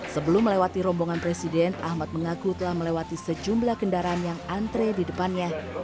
sebelum melewati rombongan presiden ahmad mengaku telah melewati sejumlah kendaraan yang antre di depannya